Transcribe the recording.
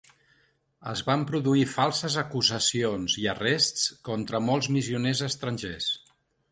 Es van produir falses acusacions i arrests contra molts missioners estrangers.